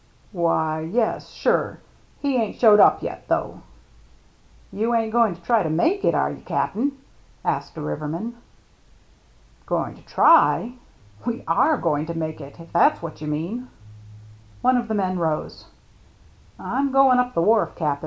"Why, yes — sure. He ain't showed up yet, though." " You ain't goin' to try to make it, are you, Cap'n ?" asked a riverman. " Going to try ? We are going to make it, if that's what you mean." One of the men rose. " I'm going up the wharf, Cap'n.